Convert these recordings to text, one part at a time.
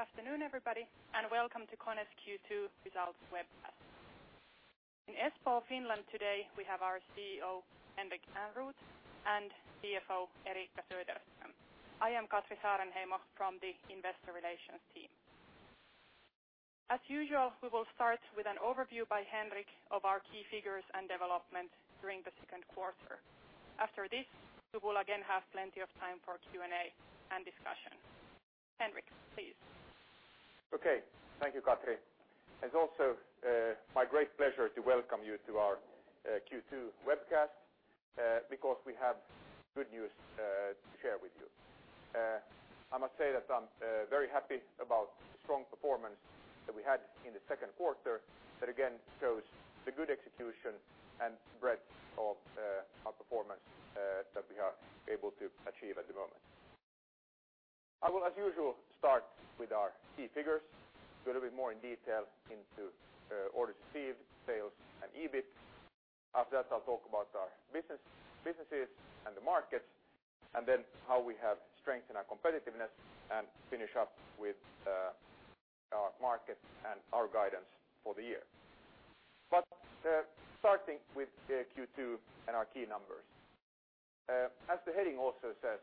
Good afternoon, everybody, welcome to KONE's Q2 results webcast. In Espoo, Finland today, we have our CEO, Henrik Ehrnrooth, and CFO, Eriikka Söderström. I am Katri Saarenheimo from the investor relations team. As usual, we will start with an overview by Henrik of our key figures and development during the second quarter. After this, we will again have plenty of time for Q&A and discussion. Henrik, please. Thank you, Katri. It's also my great pleasure to welcome you to our Q2 webcast, because we have good news to share with you. I must say that I'm very happy about the strong performance that we had in the second quarter. That again shows the good execution and breadth of our performance that we are able to achieve at the moment. I will, as usual, start with our key figures, go a little bit more in detail into orders received, sales, and EBIT. After that, I'll talk about our businesses and the markets, how we have strengthened our competitiveness, and finish up with our market and our guidance for the year. Starting with Q2 and our key numbers. As the heading also says,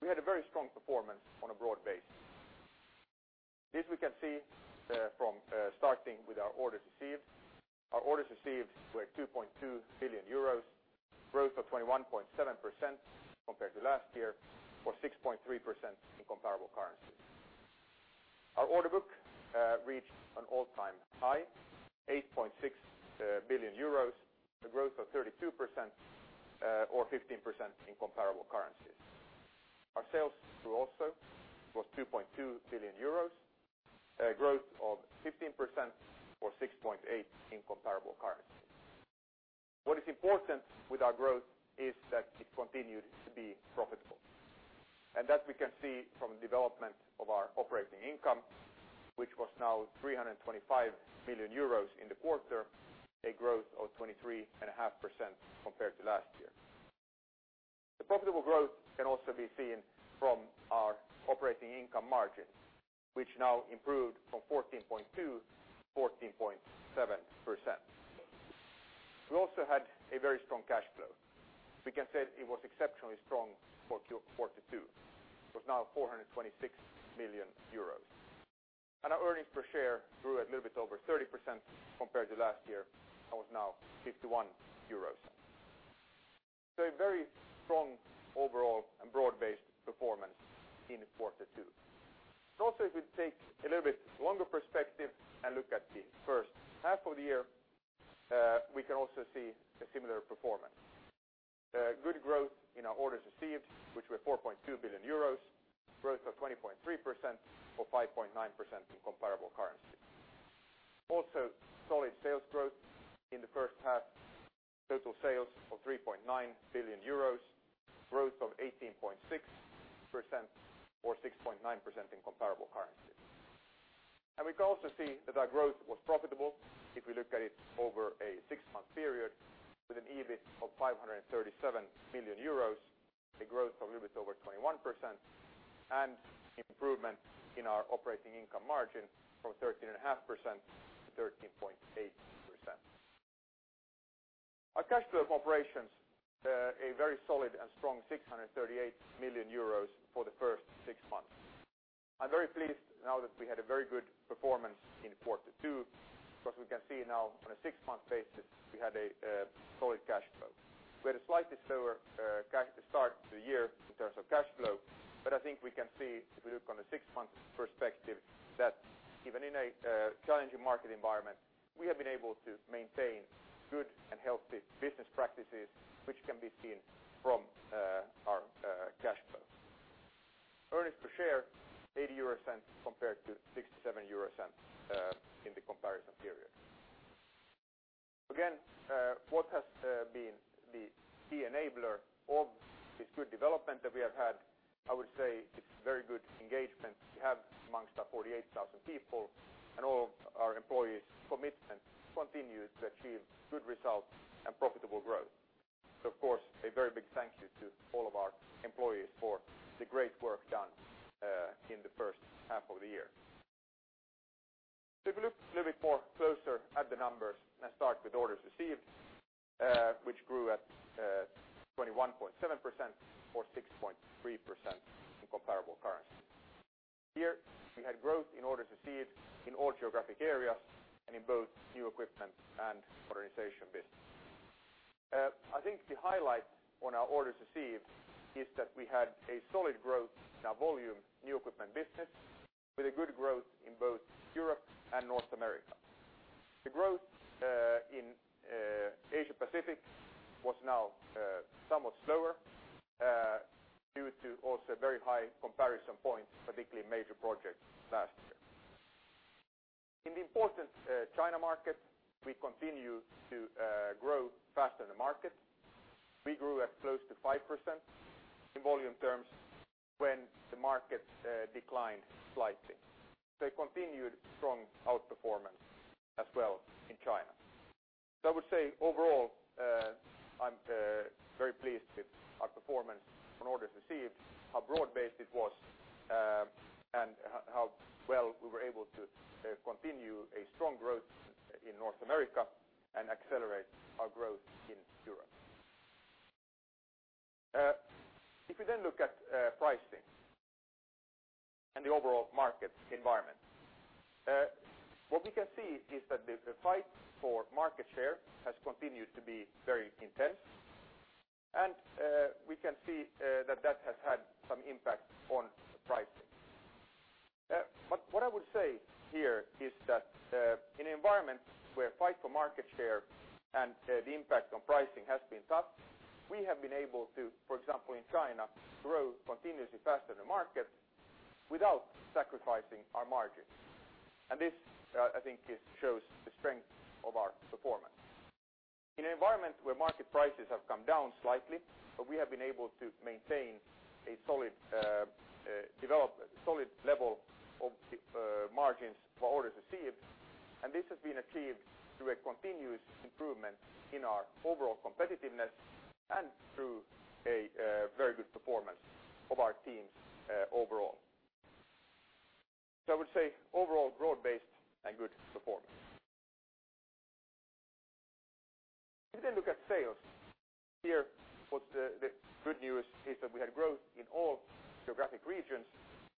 we had a very strong performance on a broad base. This we can see from starting with our orders received. Our orders received were 2.2 billion euros, growth of 21.7% compared to last year or 6.3% in comparable currency. Our order book reached an all-time high, 8.6 billion euros, a growth of 32% or 15% in comparable currency. Our sales grew also, was 2.2 billion euros, a growth of 15% or 6.8% in comparable currency. What is important with our growth is that it continued to be profitable, that we can see from development of our operating income, which was now 325 million euros in the quarter, a growth of 23.5% compared to last year. The profitable growth can also be seen from our operating income margin, which now improved from 14.2% to 14.7%. We also had a very strong cash flow. We can say it was exceptionally strong for Q2. It was now 426 million euros. Our earnings per share grew a little bit over 30% compared to last year and was now 0.51 euros. A very strong overall and broad-based performance in Q2. Also, if we take a little bit longer perspective and look at the first half of the year, we can also see a similar performance. Good growth in our orders received, which were 4.2 billion euros, growth of 20.3% or 5.9% in comparable currency. Also, solid sales growth in the first half, total sales of 3.9 billion euros, growth of 18.6% or 6.9% in comparable currency. We can also see that our growth was profitable if we look at it over a six-month period with an EBIT of 537 million euros, a growth of a little bit over 21%, and improvement in our operating income margin from 13.5% to 13.8%. Our cash flow operations, a very solid and strong 638 million euros for the first six months. I am very pleased now that we had a very good performance in Q2 because we can see now on a six-month basis we had a solid cash flow. We had a slightly slower start to the year in terms of cash flow. I think we can see if we look on the six-month perspective that even in a challenging market environment, we have been able to maintain good and healthy business practices, which can be seen from margins. This, I think, shows the strength of our performance. In an environment where market prices have come down slightly, but we have been able to maintain a solid level of margins for orders received, and this has been achieved through a continuous improvement in our overall competitiveness and through a very good performance of our teams overall. I would say overall broad-based and good performance. If we then look at sales, here the good news is that we had growth in all geographic regions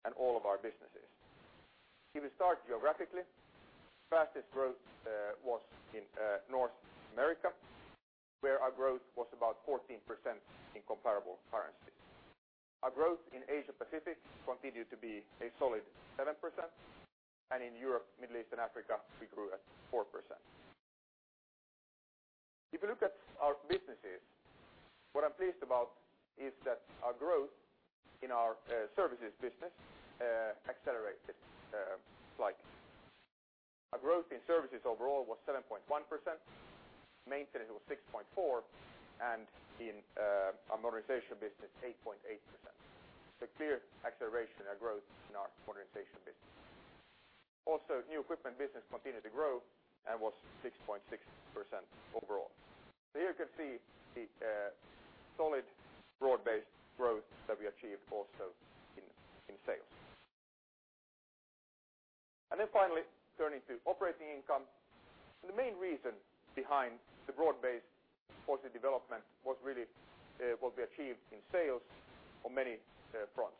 and all of our businesses. If we start geographically, fastest growth was in North America, where our growth was about 14% in comparable currency. Our growth in Asia-Pacific continued to be a solid 7%, and in Europe, Middle East, and Africa, we grew at 4%. If you look at our businesses, what I'm pleased about is that our growth in our services business accelerated slightly. Our growth in services overall was 7.1%, maintenance was 6.4%, and in our modernization business, 8.8%. Clear acceleration and growth in our modernization business. Also, new equipment business continued to grow and was 6.6% overall. Here you can see the solid, broad-based growth that we achieved also in sales. Finally, turning to Operating income. The main reason behind the broad-based positive development was really what we achieved in sales on many fronts.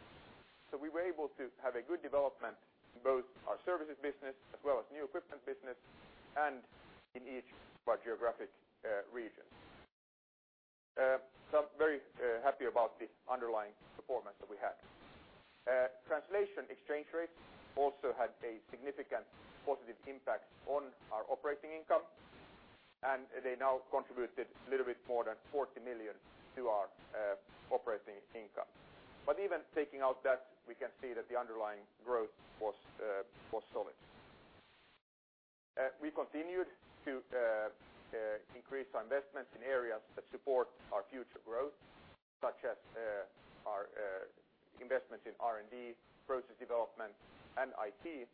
We were able to have a good development in both our services business as well as new equipment business and in each of our geographic regions. I'm very happy about the underlying performance that we had. Translation exchange rates also had a significant positive impact on our Operating income, and they now contributed a little bit more than 40 million to our Operating income. Even taking out that, we can see that the underlying growth was solid. We continued to increase our investments in areas that support our future growth, such as our investments in R&D, process development, and IT,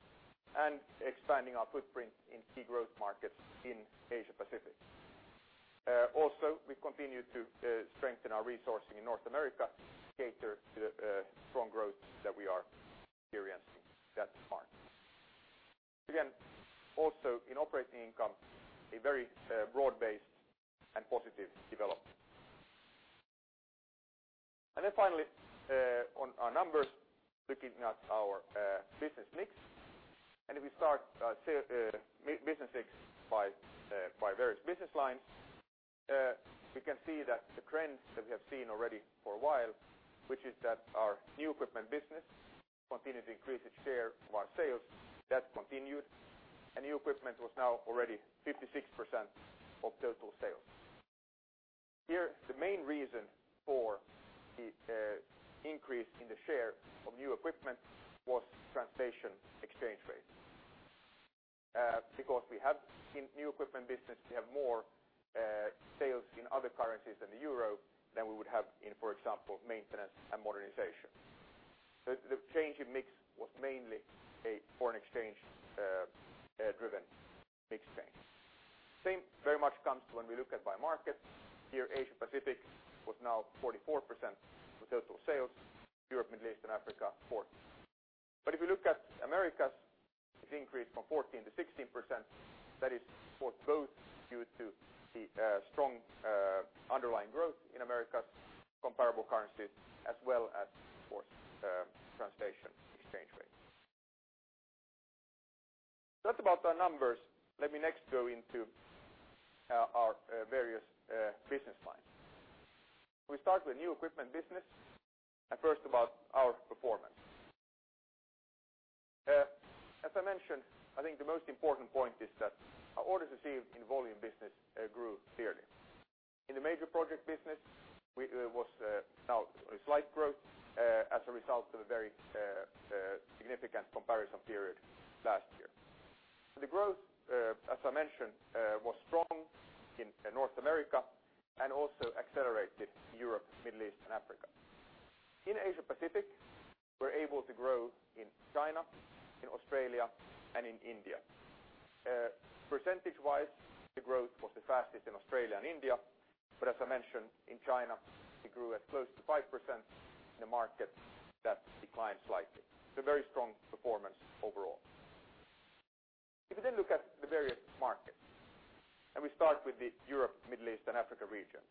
and expanding our footprint in key growth markets in Asia-Pacific. Also, we continued to strengthen our resourcing in North America to cater to the strong growth that we are experiencing in that market. Again, also in Operating income, a very broad-based and positive development. Finally, on our numbers, looking at our business mix. If we start business mix by various business lines, we can see that the trend that we have seen already for a while, which is that our new equipment business continued to increase its share of our sales. That continued, and new equipment was now already 56% of total sales. Here, the main reason for the increase in the share of new equipment was translation exchange rates. Because we have in new equipment business, we have more sales in other currencies than the euro than we would have in, for example, maintenance and modernization. The change in mix was mainly a foreign exchange-driven mix change. Same very much comes when we look at by market. Here, Asia-Pacific was now 44% of total sales. Europe, Middle East, and Africa, 40%. If you look at Americas, it increased from 14% to 16%. That is for both due to the strong underlying growth in Americas comparable currency as well as for translation exchange rates. That's about our numbers. Let me next go into our various business lines. We start with new equipment business, and first about our performance. As I mentioned, I think the most important point is that our orders received in volume business grew clearly. In the major project business, it was now a slight growth as a result of a very significant comparison period last year. The growth, as I mentioned, was strong in North America and also accelerated in Europe, Middle East, and Africa. In Asia-Pacific, we're able to grow in China, in Australia, and in India. Percentage-wise, the growth was the fastest in Australia and India. As I mentioned, in China, we grew at close to 5% in a market that declined slightly. Very strong performance overall. We then look at the various markets. We start with the Europe, Middle East, and Africa region.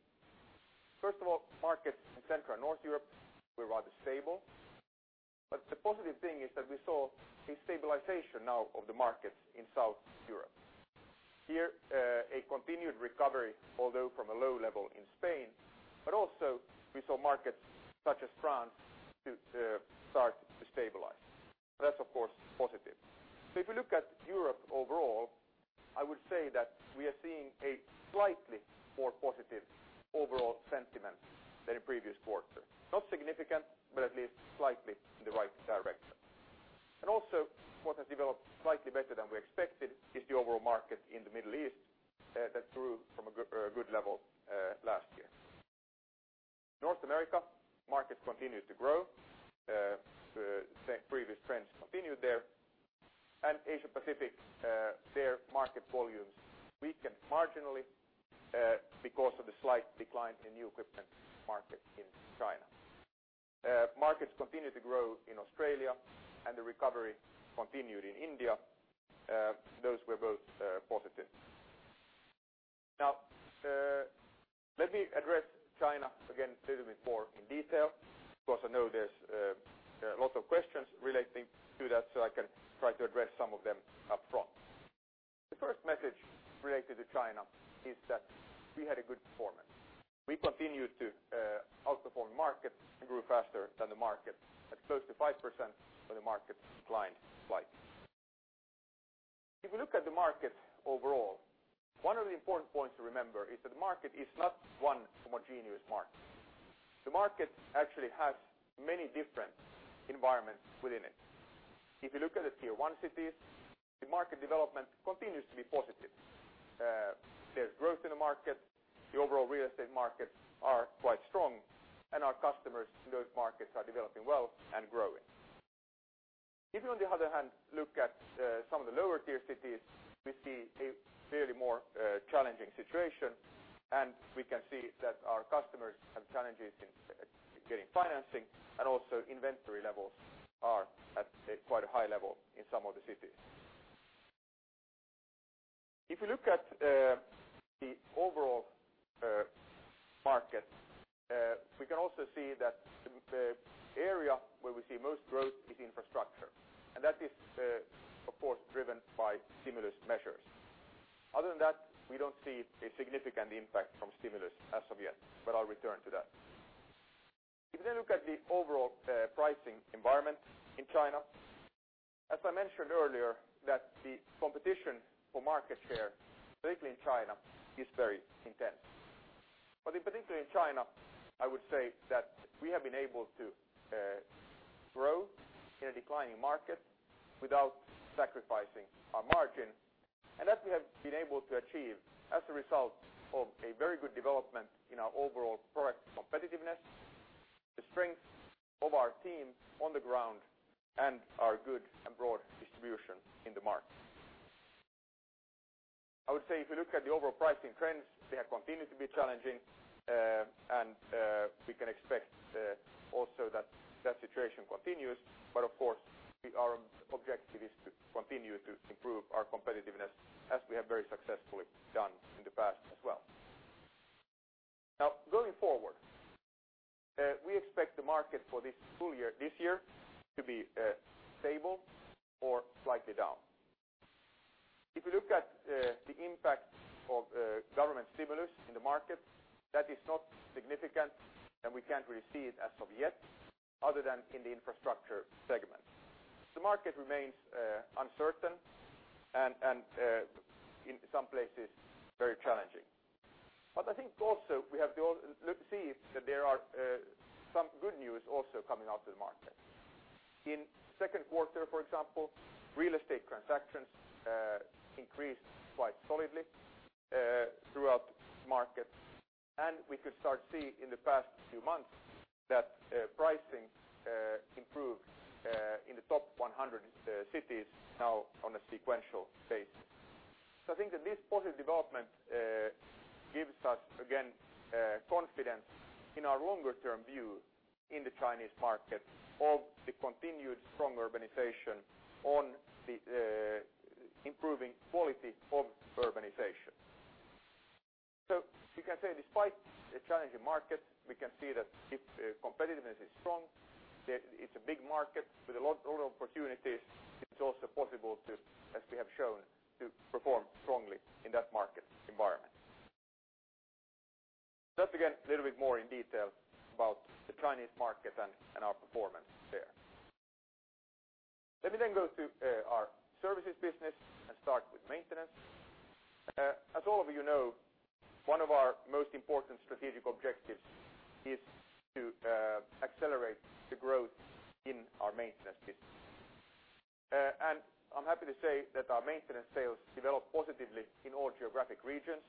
First of all, markets in Central and North Europe were rather stable. The positive thing is that we saw a stabilization now of the markets in South Europe. Here, a continued recovery, although from a low level in Spain, but also we saw markets such as France start to stabilize. That is, of course, positive. If we look at Europe overall, I would say that we are seeing a slightly more positive overall sentiment than in previous quarters. Not significant, but at least slightly in the right direction. Also, what has developed slightly better than we expected is the overall market in the Middle East that grew from a good level last year. North America, markets continue to grow. The previous trends continued there. Asia Pacific, their market volumes weakened marginally because of the slight decline in new equipment market in China. Markets continue to grow in Australia, and the recovery continued in India. Those were both positive. Now, let me address China again a little bit more in detail because I know there are lots of questions relating to that, I can try to address some of them upfront. The first message related to China is that we had a good performance. We continued to outperform the market and grew faster than the market at close to 5% when the market declined slightly. If we look at the market overall, one of the important points to remember is that the market is not one homogeneous market. The market actually has many different environments within it. If you look at the tier 1 cities, the market development continues to be positive. There is growth in the market. The overall real estate markets are quite strong, and our customers in those markets are developing well and growing. If you, on the other hand, look at some of the lower tier cities, we see a clearly more challenging situation, and we can see that our customers have challenges in getting financing, and also inventory levels are at quite a high level in some of the cities. If we look at the overall market, we can also see that the area where we see most growth is infrastructure, and that is, of course, driven by stimulus measures. Other than that, we do not see a significant impact from stimulus as of yet, but I will return to that. We then look at the overall pricing environment in China. As I mentioned earlier that the competition for market share, particularly in China, is very intense. In particular in China, I would say that we have been able to grow in a declining market without sacrificing our margin, and that we have been able to achieve as a result of a very good development in our overall product competitiveness, the strength of our team on the ground, and our good and broad distribution in the market. I would say if you look at the overall pricing trends, they have continued to be challenging, and we can expect also that that situation continues. Of course, our objective is to continue to improve our competitiveness as we have very successfully done in the past as well. Going forward, we expect the market for this full year, this year to be stable or slightly down. If you look at the impact of government stimulus in the market, that is not significant and we can't really see it as of yet other than in the infrastructure segment. The market remains uncertain and in some places very challenging. I think also we have to see that there are some good news also coming out to the market. In second quarter, for example, real estate transactions increased quite solidly throughout the market, and we could start see in the past few months that pricing improved in the top 100 cities now on a sequential basis. I think that this positive development gives us, again, confidence in our longer-term view in the Chinese market of the continued strong urbanization on the improving quality of urbanization. You can say despite a challenging market, we can see that if competitiveness is strong, it's a big market with a lot of opportunities. It's also possible to, as we have shown, to perform strongly in that market environment. That's again, a little bit more in detail about the Chinese market and our performance there. Let me go to our services business and start with maintenance. As all of you know, one of our most important strategic objectives is to accelerate the growth in our maintenance business. I'm happy to say that our maintenance sales developed positively in all geographic regions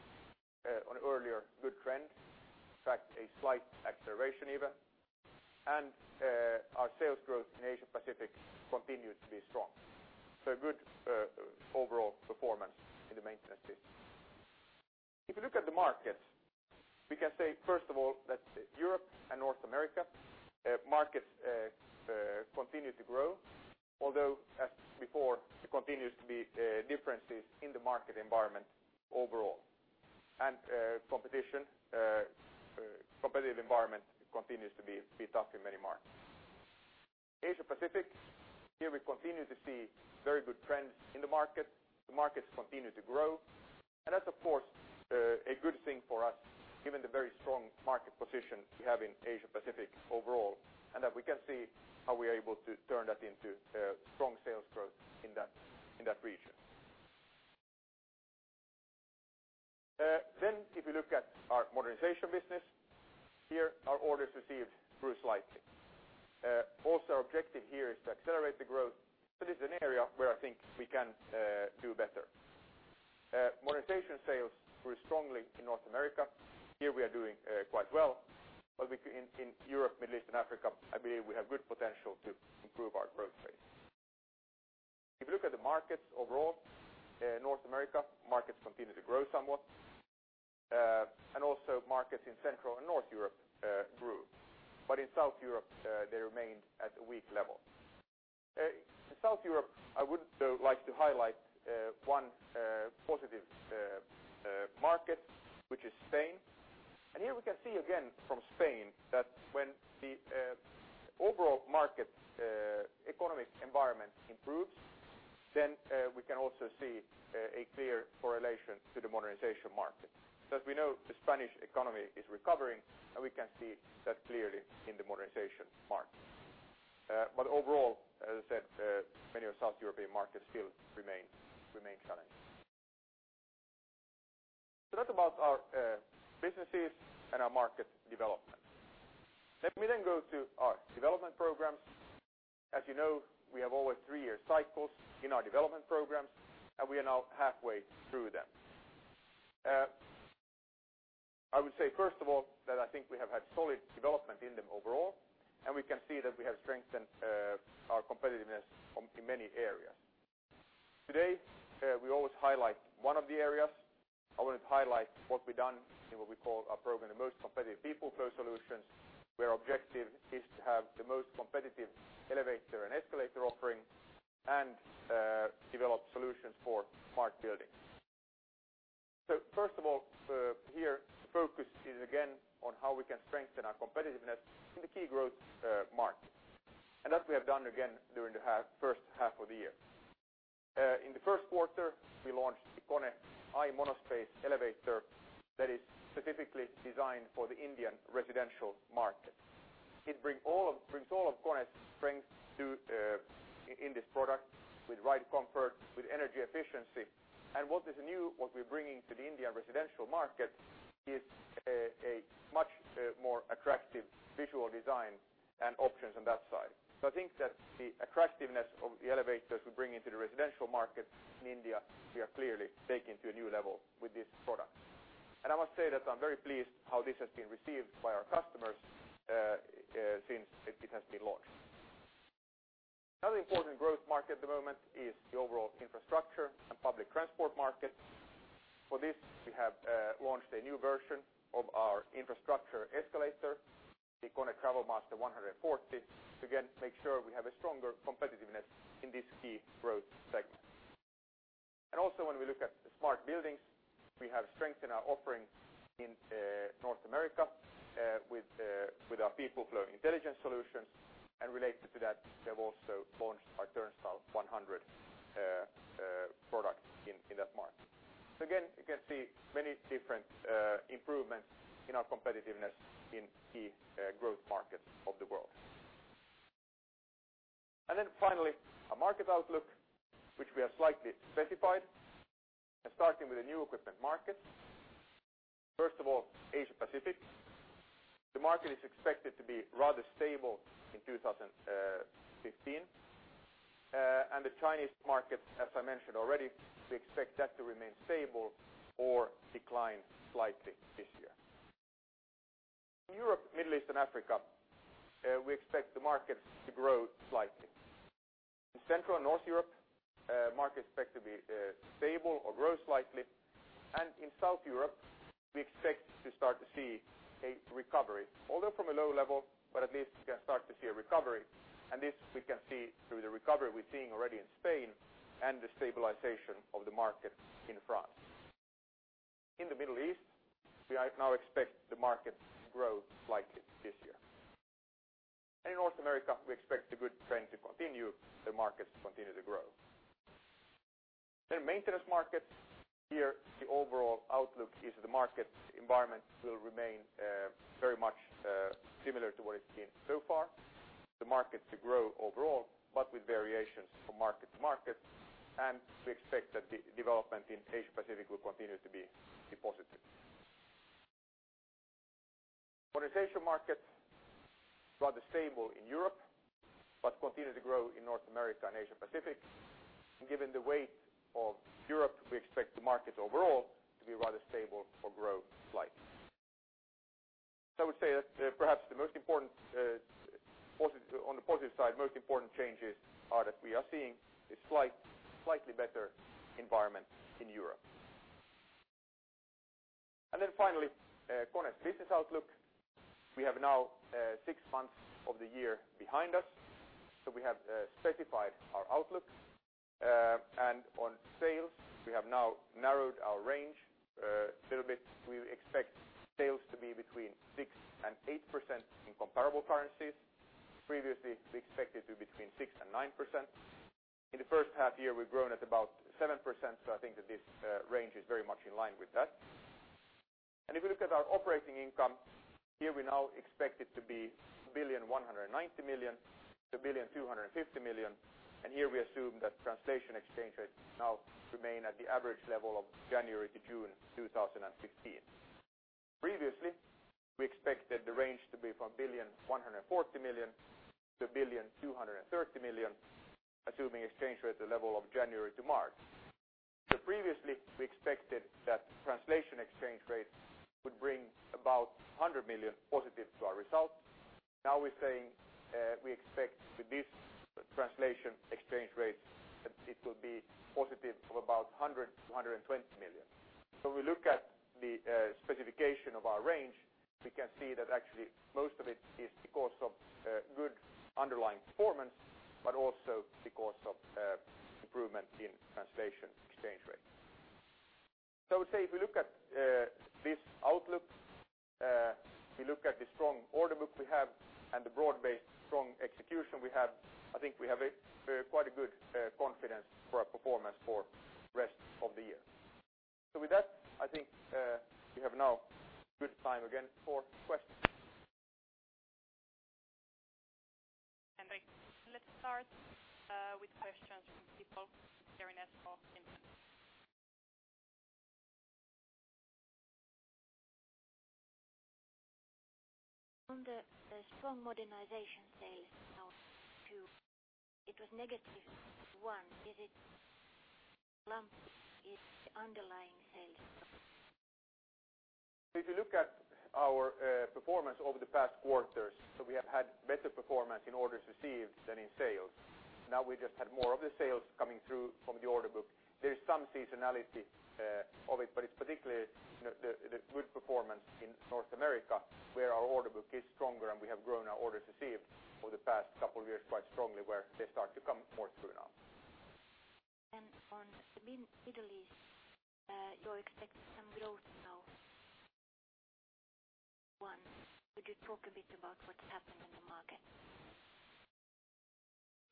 on an earlier good trend. In fact, a slight acceleration even. Our sales growth in Asia Pacific continues to be strong. Good overall performance in the maintenance business. If you look at the markets, we can say, first of all, that Europe and North America markets continue to grow, although as before, there continues to be differences in the market environment overall. Competitive environment continues to be tough in many markets. Asia Pacific, here we continue to see very good trends in the market. The markets continue to grow, and that's, of course, a good thing for us given the very strong market position we have in Asia Pacific overall, and that we can see how we are able to turn that into strong sales growth in that region. If you look at our modernization business, here, our orders received grew slightly. Also, our objective here is to accelerate the growth. This is an area where I think we can do better. Modernization sales grew strongly in North America. Here we are doing quite well. In Europe, Middle East and Africa, I believe we have good potential to improve our growth rate. If you look at the markets overall, North America markets continue to grow somewhat. Also markets in Central and North Europe grew. In South Europe, they remained at a weak level. In South Europe, I would like to highlight one positive market, which is Spain. Here we can see again from Spain that when the overall market economic environment improves, then we can also see a clear correlation to the modernization market. As we know, the Spanish economy is recovering, and we can see that clearly in the modernization market. Overall, as I said, many of South European markets still remain challenging. That's about our businesses and our market development. Let me go to our development programs. As you know, we have always three-year cycles in our development programs, and we are now halfway through them. I would say, first of all, that I think we have had solid development in them overall, and we can see that we have strengthened our competitiveness in many areas. Today, we always highlight one of the areas. I want to highlight what we've done in what we call our program, The Most Competitive People Flow Solutions, where our objective is to have the most competitive elevator and escalator offering and develop solutions for smart buildings. First of all, here, the focus is again on how we can strengthen our competitiveness in the key growth markets. That we have done again during the first half of the year. In the first quarter, we launched the KONE I MonoSpace elevator that is specifically designed for the Indian residential market. It brings all of KONE's strength in this product with ride comfort, with energy efficiency. What is new, what we're bringing to the Indian residential market is a much more attractive visual design and options on that side. I think that the attractiveness of the elevators we bring into the residential market in India, we are clearly taking to a new level with this product. I must say that I'm very pleased how this has been received by our customers since it has been launched. Another important growth market at the moment is the overall infrastructure and public transport market. For this, we have launched a new version of our infrastructure escalator, the KONE TransitMaster 140. To again, make sure we have a stronger competitiveness in this key growth segment. Also when we look at the smart buildings, we have strengthened our offering in North America with our People Flow Intelligence solutions. Related to that, we have also launched our Turnstile 100 product in that market. Again, you can see many different improvements in our competitiveness in key growth markets of the world. Finally, our market outlook, which we have slightly specified, starting with the new equipment market. First of all, Asia Pacific. The market is expected to be rather stable in 2015. The Chinese market, as I mentioned already, we expect that to remain stable or decline slightly this year. In Europe, Middle East and Africa, we expect the market to grow slightly. In Central and North Europe, market is expected to be stable or grow slightly. In South Europe, we expect to start to see a recovery, although from a low level, but at least we can start to see a recovery. This we can see through the recovery we're seeing already in Spain and the stabilization of the market in France. In the Middle East, we now expect the market to grow slightly this year. In North America, we expect the good trend to continue, the market to continue to grow. Maintenance market. Here, the overall outlook is the market environment will remain very much similar to what it's been so far. The market to grow overall, but with variations from market to market, and we expect that the development in Asia Pacific will continue to be positive. Modernization market, rather stable in Europe, but continue to grow in North America and Asia Pacific. Given the weight of Europe, we expect the market overall to be rather stable or grow slightly. I would say that perhaps on the positive side, most important changes are that we are seeing a slightly better environment in Europe. Finally, KONE's business outlook. We have now six months of the year behind us, so we have specified our outlook. On sales, we have now narrowed our range a little bit. We expect sales to be between 6%-8% in comparable currencies. Previously, we expected to be between 6%-9%. In the first half year, we've grown at about 7%. I think that this range is very much in line with that. If we look at our operating income, here we now expect it to be 1,190 million-1,250 million, and here we assume that translation exchange rates now remain at the average level of January to June 2016. Previously, we expected the range to be from 1,140 million-1,230 million, assuming exchange rates the level of January to March. Previously, we expected that translation exchange rates would bring about 100 million positive to our results. Now we're saying we expect with this translation exchange rate that it will be positive of about 100 million to 120 million. We look at the specification of our range, we can see that actually most of it is because of good underlying performance, but also because of improvement in translation exchange rate. I would say if we look at this outlook, we look at the strong order book we have and the broad-based strong execution we have, I think we have quite a good confidence for our performance for rest of the year. With that, I think we have now good time again for questions. Henrik, let's start with questions from people. Jaime Riera for Credit Suisse. The strong modernization sales now to it was negative one. Is it lump? Is it underlying sales? If you look at our performance over the past quarters, we have had better performance in orders received than in sales. Now we just had more of the sales coming through from the order book. There is some seasonality of it, but it's particularly the good performance in North America where our order book is stronger, and we have grown our orders received over the past couple of years quite strongly where they start to come more through now. On the Middle East, you're expecting some growth now. One, could you talk a bit about what's happened in the market?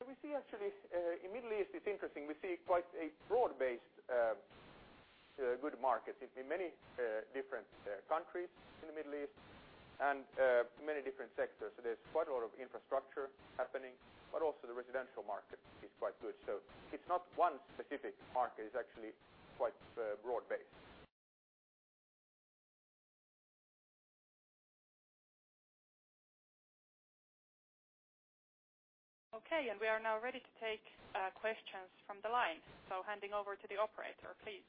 We see actually in Middle East, it's interesting, we see quite a broad-based good market in many different countries in the Middle East and many different sectors. There's quite a lot of infrastructure happening, but also the residential market is quite good. It's not one specific market. It's actually quite broad-based. Okay. We are now ready to take questions from the line. Handing over to the operator, please.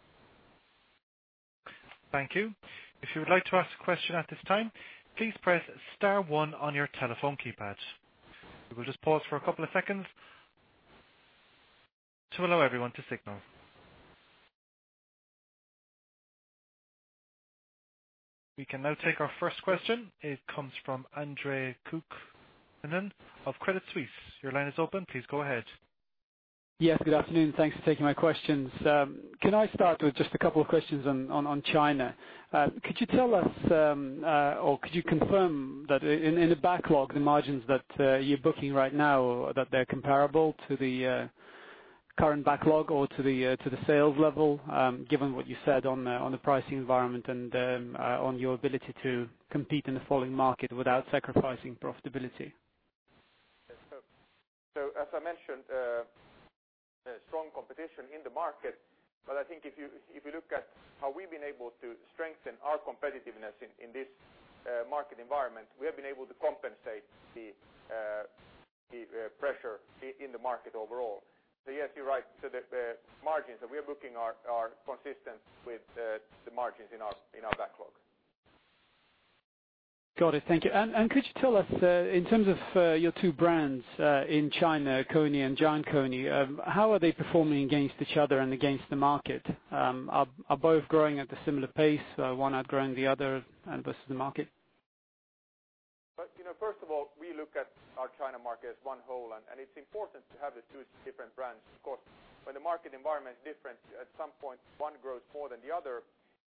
Thank you. If you would like to ask a question at this time, please press star one on your telephone keypad. We will just pause for a couple of seconds to allow everyone to signal. We can now take our first question. It comes from Andre Kukhnin of Credit Suisse. Your line is open. Please go ahead. Yes, good afternoon. Thanks for taking my questions. Can I start with just a couple of questions on China? Could you tell us or could you confirm that in the backlog, the margins that you're booking right now, that they're comparable to the current backlog or to the sales level given what you said on the pricing environment and on your ability to compete in the falling market without sacrificing profitability? As I mentioned, strong competition in the market, I think if you look at how we've been able to strengthen our competitiveness in this market environment, we have been able to compensate the pressure in the market overall. Yes, you're right. The margins that we are booking are consistent with the margins in our backlog. Got it. Thank you. Could you tell us in terms of your two brands in China, KONE and Giant KONE, how are they performing against each other and against the market? Are both growing at a similar pace, one outgrowing the other and versus the market? First of all, we look at our China market as one whole. It's important to have the two different brands. Of course, when the market environment is different, at some point, one grows more than the other.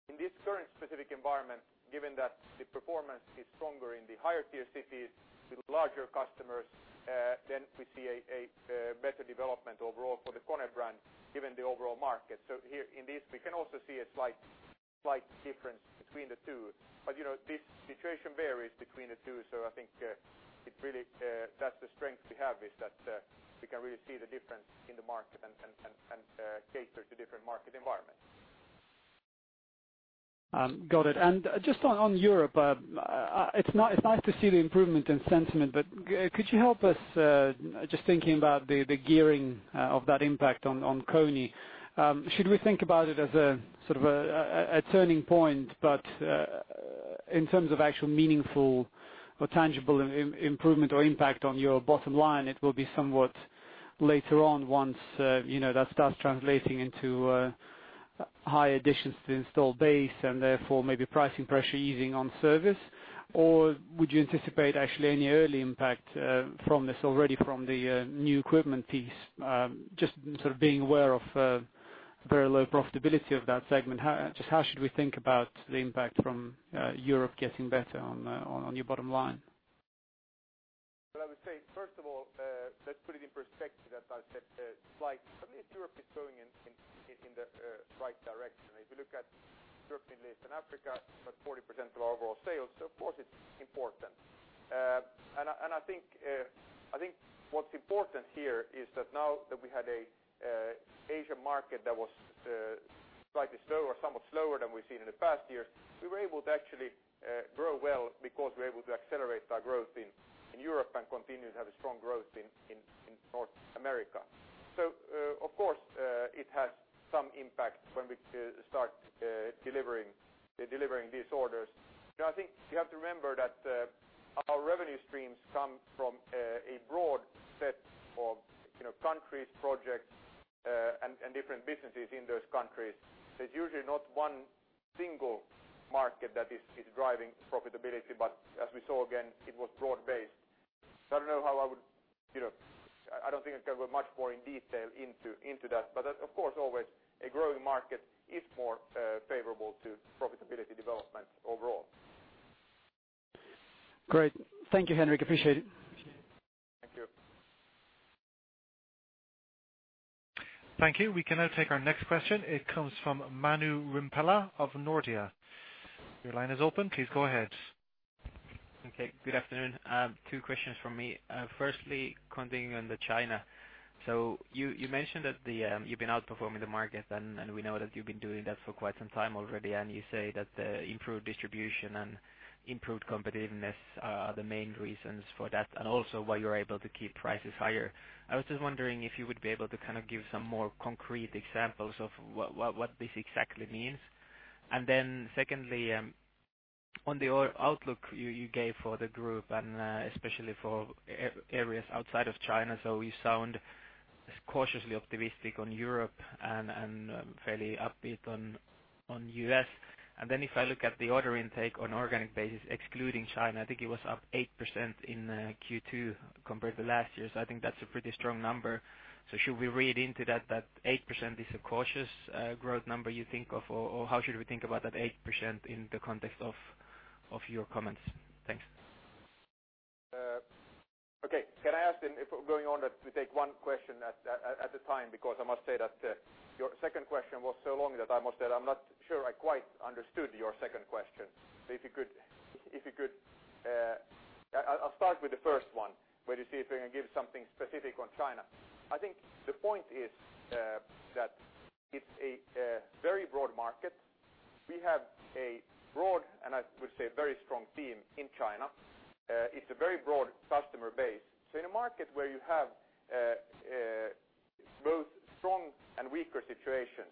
In this current specific environment, given that the performance is stronger in the higher tier cities with larger customers, we see a better development overall for the KONE brand given the overall market. Here in this, we can also see a slight difference between the two. The situation varies between the two, so I think that's the strength we have is that we can really see the difference in the market and cater to different market environments. Got it. Just on Europe, it's nice to see the improvement in sentiment. Could you help us, just thinking about the gearing of that impact on KONE. Should we think about it as a turning point, but in terms of actual meaningful or tangible improvement or impact on your bottom line, it will be somewhat later on once that starts translating into high additions to installed base and therefore maybe pricing pressure easing on service? Would you anticipate actually any early impact from this already from the new equipment piece? Just sort of being aware of very low profitability of that segment. Just how should we think about the impact from Europe getting better on your bottom line? Well, I would say, first of all, let's put it in perspective, as I said, slightly. I mean, Europe is going in the right direction. If you look at Europe, Middle East, and Africa, about 40% of our overall sales. Of course it's important. I think what's important here is that now that we had a Asian market that was slightly slower, somewhat slower than we've seen in the past years, we were able to actually grow well because we're able to accelerate our growth in Europe and continue to have a strong growth in North America. Of course, it has some impact when we start delivering these orders. I think you have to remember that our revenue streams come from a broad set of countries, projects, and different businesses in those countries. There's usually not one single market that is driving profitability. As we saw again, it was broad-based. I don't think I can go much more in detail into that. Of course, always, a growing market is more favorable to profitability development overall. Great. Thank you, Henrik. Appreciate it. Thank you. Thank you. We can now take our next question. It comes from Manu Rimpelä of Nordea. Your line is open. Please go ahead. Okay. Good afternoon. Two questions from me. Firstly, continuing on the China. You mentioned that you've been outperforming the market, we know that you've been doing that for quite some time already, you say that the improved distribution and improved competitiveness are the main reasons for that and also why you're able to keep prices higher. I was just wondering if you would be able to kind of give some more concrete examples of what this exactly means. Secondly, on the outlook you gave for the group and especially for areas outside of China. You sound cautiously optimistic on Europe and fairly upbeat on U.S. If I look at the order intake on organic basis, excluding China, I think it was up 8% in Q2 compared to last year. I think that's a pretty strong number. Should we read into that 8% is a cautious growth number you think of, or how should we think about that 8% in the context of your comments? Thanks. Okay. Can I ask then if going on that we take one question at a time, because I must say that your second question was so long that I must say that I'm not sure I quite understood your second question. I'll start with the first one, where you say if we can give something specific on China. I think the point is that it's a very broad market. We have a broad, I would say very strong team in China. It's a very broad customer base. In a market where you have both strong and weaker situations,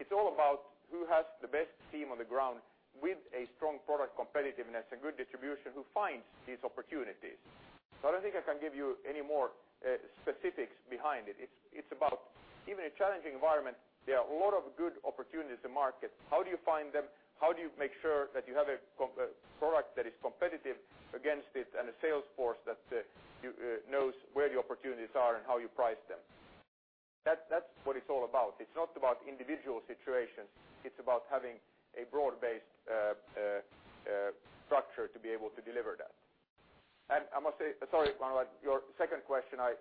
it's all about who has the best team on the ground with a strong product competitiveness and good distribution who finds these opportunities. I don't think I can give you any more specifics behind it. It's about even a challenging environment. There are a lot of good opportunities in market. How do you find them? How do you make sure that you have a product that is competitive against it and a sales force that knows where the opportunities are and how you price them? That's what it's all about. It's not about individual situations. It's about having a broad-based structure to be able to deliver that. I must say, sorry, Manu, your second question, I-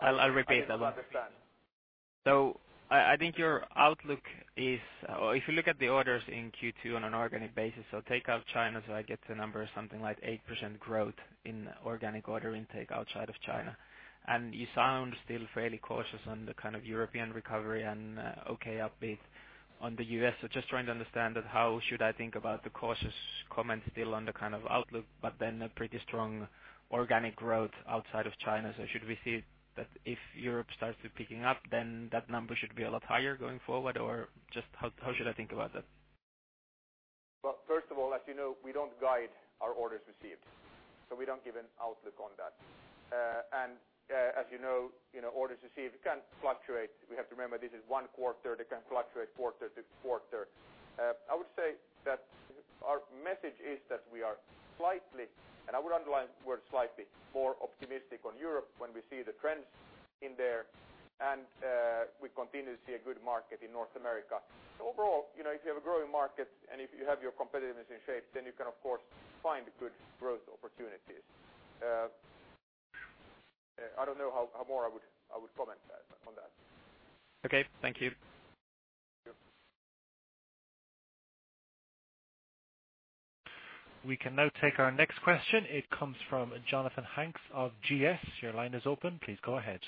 I'll repeat that one I didn't understand. I think your outlook is. If you look at the orders in Q2 on an organic basis, take out China, I get to a number something like 8% growth in organic order intake outside of China. You sound still fairly cautious on the kind of European recovery and okay upbeat on the U.S. Just trying to understand that how should I think about the cautious comments still on the kind of outlook, but then a pretty strong organic growth outside of China. Should we see that if Europe starts to picking up, then that number should be a lot higher going forward? Just how should I think about that? Well, first of all, as you know, we don't guide our orders received, so we don't give an outlook on that. As you know orders received can fluctuate. We have to remember this is one quarter. They can fluctuate quarter to quarter. I would say that our message is that we are slightly, and I would underline the word slightly, more optimistic on Europe when we see the trends in there. We continue to see a good market in North America. Overall, if you have a growing market and if you have your competitiveness in shape, then you can of course find good growth opportunities. I don't know how more I would comment on that. Okay. Thank you. Thank you. We can now take our next question. It comes from Jonathan Hanks of GS. Your line is open. Please go ahead.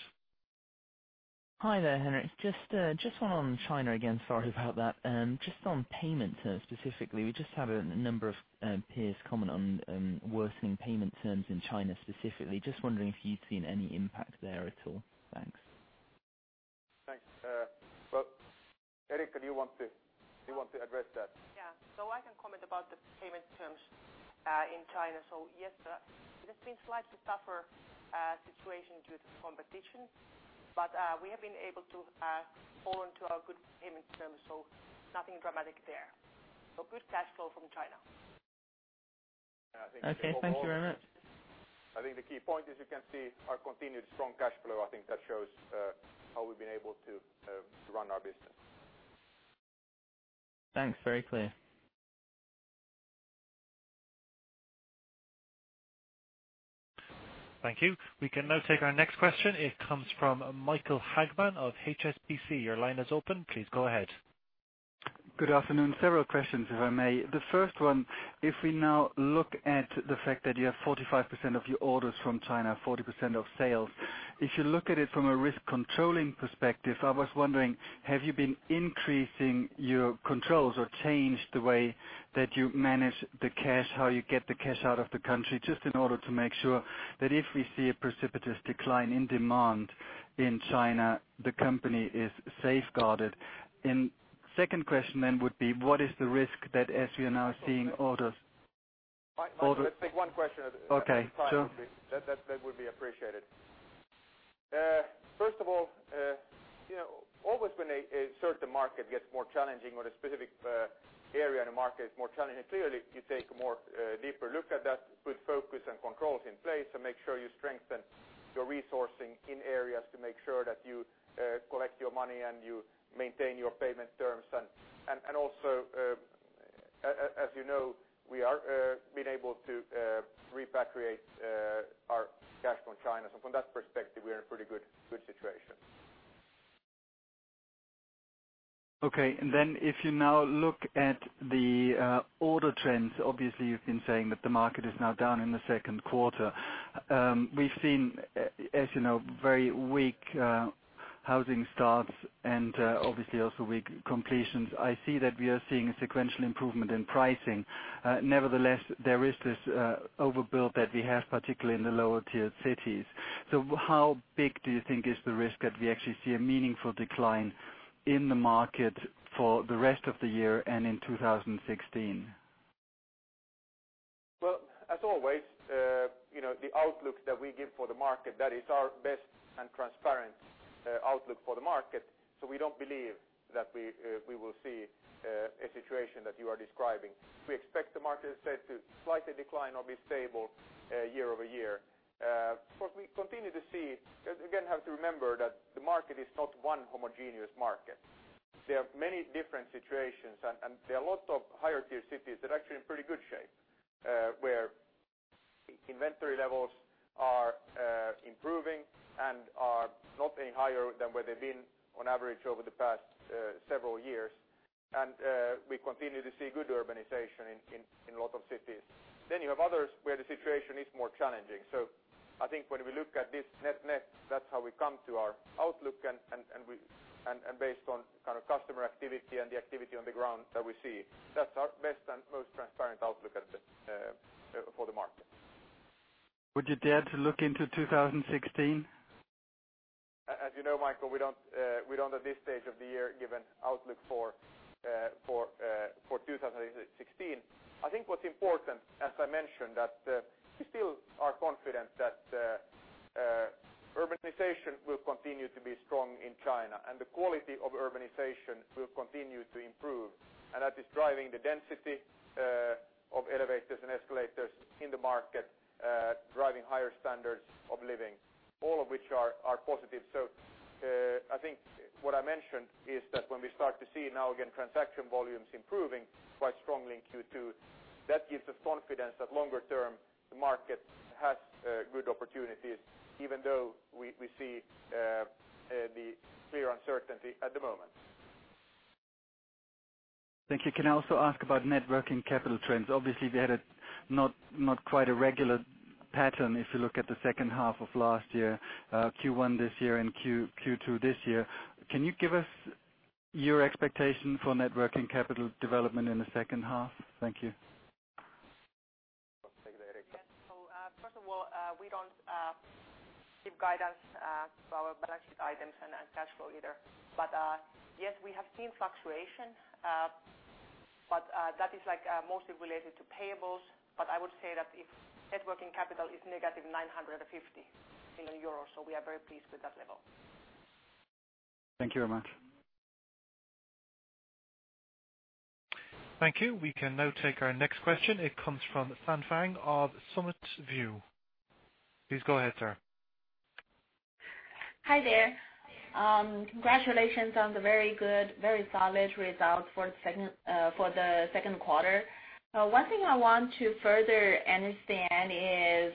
Hi there, Henrik. Just one on China again, sorry about that. Just on payment terms specifically, we just had a number of peers comment on worsening payment terms in China specifically. Just wondering if you'd seen any impact there at all. Thanks. Thanks. Well, Eriikka, do you want to address that? Yeah. I can comment about the payment terms in China. Yes, there's been a slightly tougher situation due to competition. We have been able to hold on to our good payment terms, so nothing dramatic there. Good cash flow from China. Okay, thank you very much. I think the key point is you can see our continued strong cash flow. I think that shows how we've been able to run our business. Thanks. Very clear. Thank you. We can now take our next question. It comes from Michael Hagmann of HSBC. Your line is open. Please go ahead. Good afternoon. Several questions, if I may. The first one, if we now look at the fact that you have 45% of your orders from China, 40% of sales. If you look at it from a risk controlling perspective, I was wondering, have you been increasing your controls or changed the way that you manage the cash, how you get the cash out of the country, just in order to make sure that if we see a precipitous decline in demand in China, the company is safeguarded? Second question then would be, what is the risk that as we are now seeing orders- Let's take one question at a time. Okay. Sure. That would be appreciated. First of all, always when a certain market gets more challenging or a specific area in a market is more challenging, clearly you take a deeper look at that, put focus and controls in place, and make sure you strengthen your resourcing in areas to make sure that you collect your money and you maintain your payment terms. Also, as you know, we are being able to repatriate our cash from China. From that perspective, we are in a pretty good situation. Okay. If you now look at the order trends, obviously you've been saying that the market is now down in the second quarter. We've seen, as you know, very weak housing starts and obviously also weak completions. I see that we are seeing a sequential improvement in pricing. Nevertheless, there is this overbuild that we have, particularly in the lower tiered cities. How big do you think is the risk that we actually see a meaningful decline in the market for the rest of the year and in 2016? Well, as always, the outlooks that we give for the market, that is our best and transparent outlook for the market. We don't believe that we will see a situation that you are describing. We expect the market is set to slightly decline or be stable year-over-year. You again have to remember that the market is not one homogeneous market. There are many different situations, and there are lots of higher tier cities that are actually in pretty good shape, where inventory levels are improving and are not any higher than where they've been on average over the past several years. We continue to see good urbanization in a lot of cities. You have others where the situation is more challenging. When we look at this net, that's how we come to our outlook and based on kind of customer activity and the activity on the ground that we see. That's our best and most transparent outlook for the market. Would you dare to look into 2016? As you know, Michael, we don't at this stage of the year give an outlook for 2016. I think what's important, as I mentioned, that we still are confident that urbanization will continue to be strong in China, and the quality of urbanization will continue to improve. That is driving the density of elevators and escalators in the market, driving higher standards of living. All of which are positive. I think what I mentioned is that when we start to see now again transaction volumes improving quite strongly in Q2, that gives us confidence that longer term the market has good opportunities, even though we see the clear uncertainty at the moment. Thank you. Can I also ask about net working capital trends? Obviously, we had not quite a regular pattern, if you look at the second half of last year, Q1 this year and Q2 this year. Can you give us your expectation for net working capital development in the second half? Thank you. Eriikka. Yes. First of all, we don't give guidance to our balance sheet items and cash flow either. Yes, we have seen fluctuation, but that is mostly related to payables. I would say that net working capital is negative 950, so we are very pleased with that level. Thank you very much. Thank you. We can now take our next question. It comes from Fan Fang of Summit View. Please go ahead, sir. Hi there. Congratulations on the very good, very solid results for the second quarter. One thing I want to further understand is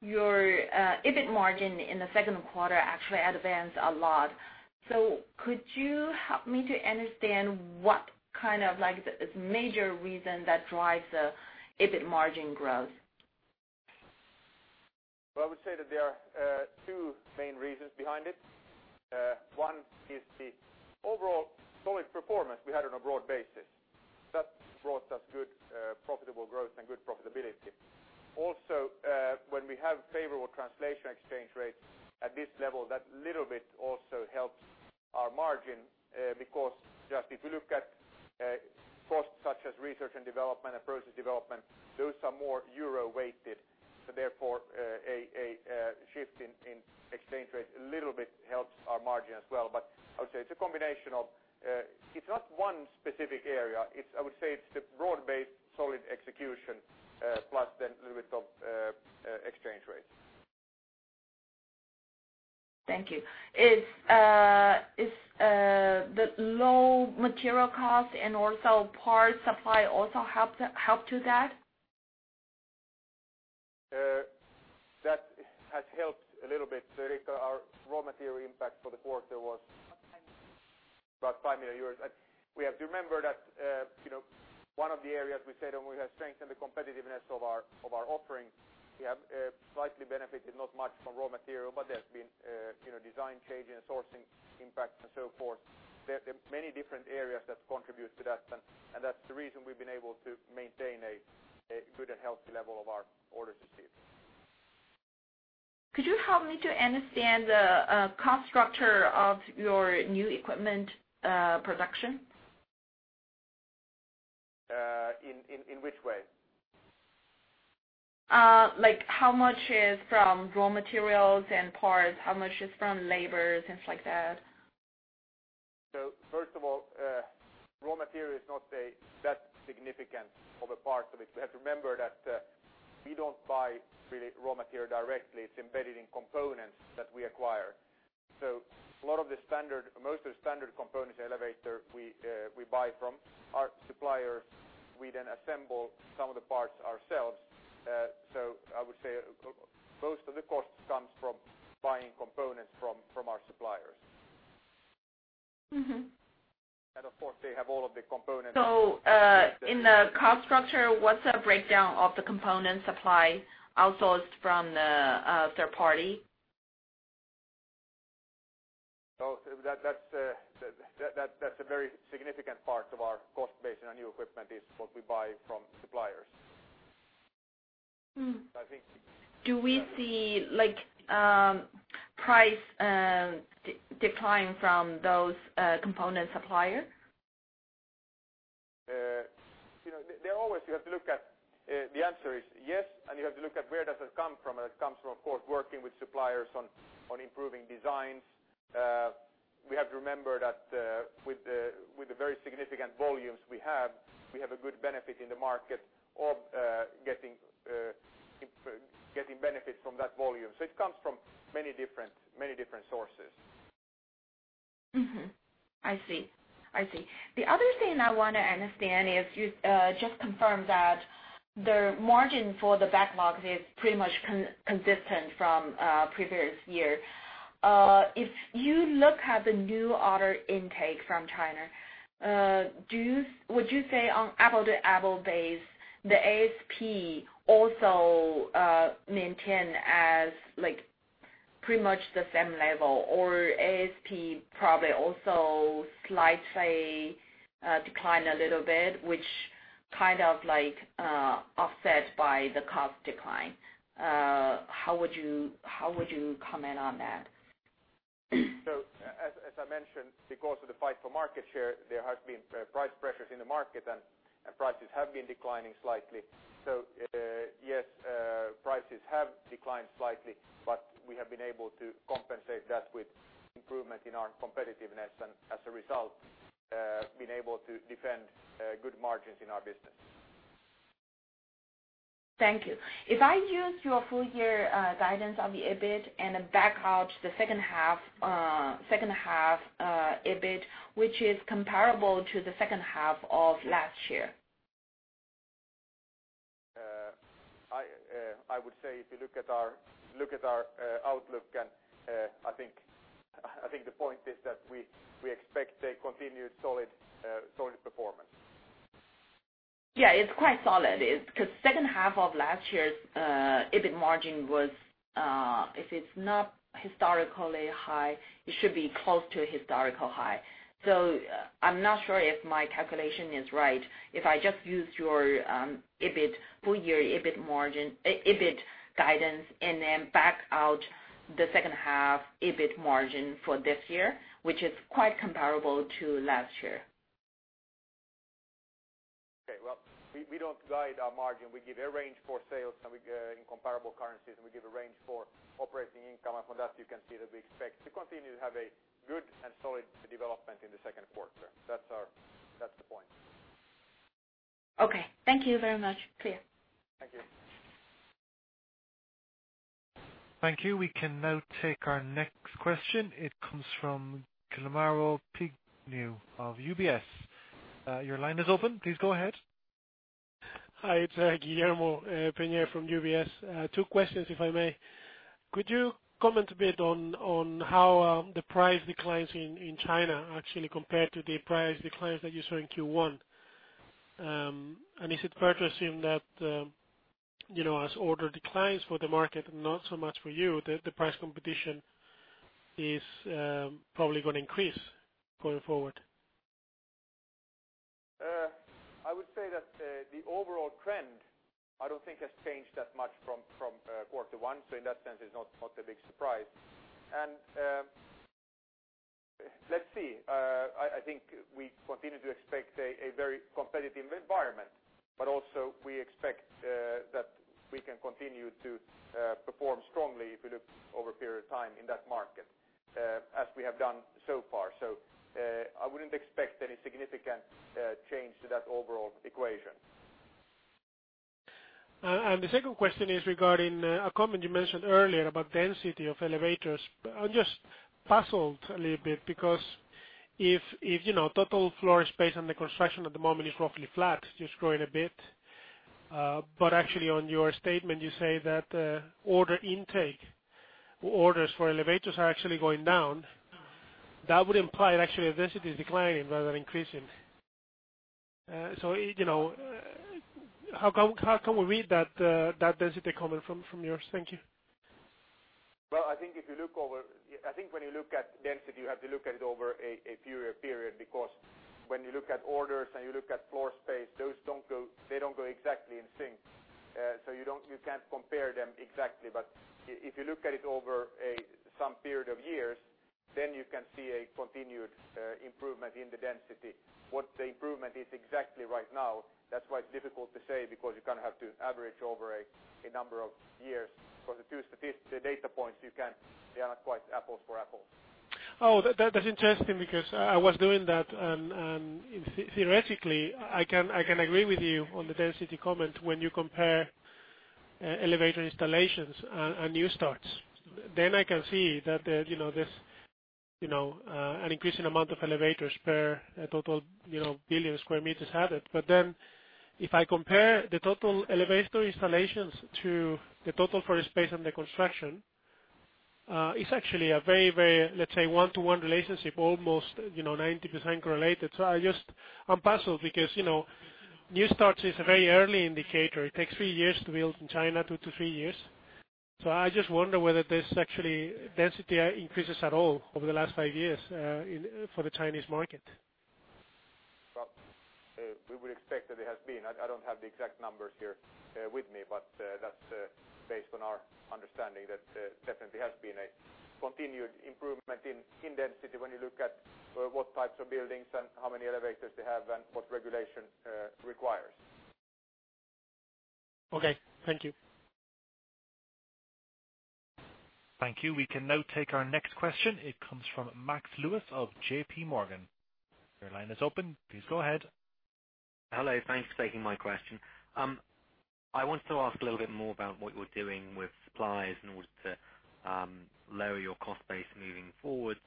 Your EBIT margin in the second quarter actually advanced a lot. Could you help me to understand what kind of major reason that drives the EBIT margin growth? I would say that there are two main reasons behind it. One is the overall solid performance we had on a broad basis. That brought us good profitable growth and good profitability. When we have favorable translation exchange rates at this level, that little bit also helps our margin. Because if you look at costs such as research and development and process development, those are more EUR-weighted, so therefore a shift in exchange rates a little bit helps our margin as well. I would say it's a combination. It's not one specific area. I would say it's the broad-based solid execution, plus a little bit of exchange rates. Thank you. Is the low material cost and also parts supply also help to that? That has helped a little bit. Eriikka, our raw material impact for the quarter was- About 5 million euros about EUR 5 million. We have to remember that one of the areas we said we have strengthened the competitiveness of our offerings. We have slightly benefited, not much, from raw material, but there's been design changes, sourcing impacts and so forth. There are many different areas that contribute to that, That's the reason we've been able to maintain a good and healthy level of our orders received. Could you help me to understand the cost structure of your new equipment production? In which way? How much is from raw materials and parts? How much is from labor, things like that? First of all, raw material is not that significant of a part of it. We have to remember that we don't buy really raw material directly. It's embedded in components that we acquire. Most of the standard components elevator we buy from our suppliers. We assemble some of the parts ourselves. I would say most of the cost comes from buying components from our suppliers. Of course, they have all of the components. In the cost structure, what's the breakdown of the component supply outsourced from the third party? That's a very significant part of our cost base in our new equipment is what we buy from suppliers. I think- Do we see price decline from those component suppliers? The answer is yes, and you have to look at where does it come from, and it comes from, of course, working with suppliers on improving designs. We have to remember that with the very significant volumes we have, we have a good benefit in the market of getting benefits from that volume. It comes from many different sources. Mm-hmm. I see. The other thing I want to understand is you just confirmed that the margin for the backlog is pretty much consistent from previous year. If you look at the new order intake from China, would you say on apple-to-apple basis, the ASP also maintain as pretty much the same level or ASP probably also slightly decline a little bit, which kind of offset by the cost decline. How would you comment on that? As I mentioned, because of the fight for market share, there has been price pressures in the market and prices have been declining slightly. Yes, prices have declined slightly, but we have been able to compensate that with improvement in our competitiveness and as a result, been able to defend good margins in our business. Thank you. If I use your full year guidance of the EBIT and back out the second half EBIT, which is comparable to the second half of last year. I would say if you look at our outlook and I think the point is that we expect a continued solid performance. Yeah, it's quite solid. Second half of last year's EBIT margin was, if it's not historically high, it should be close to a historical high. I'm not sure if my calculation is right. If I just use your full year EBIT guidance and then back out the second half EBIT margin for this year, which is quite comparable to last year. Okay. Well, we don't guide our margin. We give a range for sales in comparable currencies, and we give a range for operating income. From that, you can see that we expect to continue to have a good and solid development in the second quarter. That's the point. Okay. Thank you very much. Clear. Thank you. Thank you. We can now take our next question. It comes from Guillermo Pein of UBS. Your line is open. Please go ahead. Hi, it's Guillermo Pein from UBS. Two questions, if I may. Could you comment a bit on how the price declines in China actually compare to the price declines that you saw in Q1? Is it fair to assume that as order declines for the market, not so much for you, the price competition is probably going to increase going forward? I would say that the overall trend, I don't think has changed that much from quarter one, so in that sense, it's not a big surprise. Let's see. I think we continue to expect a very competitive environment, but also we expect that we can continue to perform strongly if you look over a period of time in that market, as we have done so far. I wouldn't expect any significant change to that overall equation. The second question is regarding a comment you mentioned earlier about density of elevators. I'm just puzzled a little bit because if total floor space under construction at the moment is roughly flat. Just growing a bit. Actually on your statement, you say that order intake or orders for elevators are actually going down. That would imply actually density is declining rather than increasing. How can we read that density comment from yours? Thank you. Well, I think when you look at density, you have to look at it over a fewer period, because when you look at orders and you look at floor space, they don't go exactly in sync. You can't compare them exactly. If you look at it over some period of years, then you can see a continued improvement in the density. What the improvement is exactly right now, that's why it's difficult to say, because you have to average over a number of years for the two statistic data points. They are not quite apples for apples. That's interesting because I was doing that, theoretically, I can agree with you on the density comment when you compare elevator installations and new starts. I can see that there's an increasing amount of elevators per total billion sq m have it. If I compare the total elevator installations to the total floor space under construction, it's actually a very, let's say, 1-to-1 relationship, almost 90% correlated. I'm puzzled because new starts is a very early indicator. It takes 2 to 3 years to build in China. I just wonder whether there's actually density increases at all over the last 5 years for the Chinese market. We would expect that it has been. I don't have the exact numbers here with me, that's based on our understanding, that definitely has been a continued improvement in density when you look at what types of buildings and how many elevators they have and what regulation requires. Okay. Thank you. Thank you. We can now take our next question. It comes from Max Lieberich of JP Morgan. Your line is open. Please go ahead. Hello. Thanks for taking my question. I want to ask a little bit more about what you're doing with suppliers in order to lower your cost base moving forward.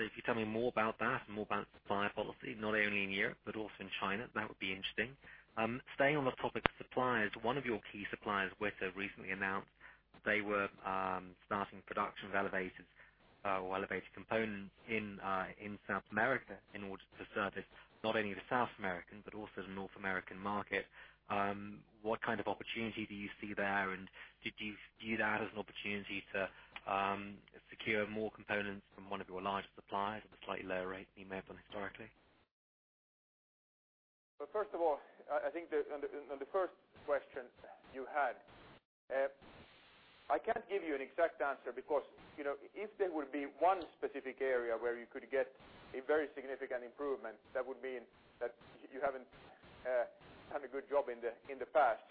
If you tell me more about that and more about the supplier policy, not only in Europe but also in China, that would be interesting. Staying on the topic of suppliers, one of your key suppliers, ThyssenKrupp, recently announced they were starting production of elevators or elevator components in South America in order to service not only the South American but also the North American market. What kind of opportunity do you see there? Did you view that as an opportunity to secure more components from one of your larger suppliers at a slightly lower rate than you may have done historically? First of all, I think on the first question you had, I can't give you an exact answer because if there would be one specific area where you could get a very significant improvement, that would mean that you haven't done a good job in the past.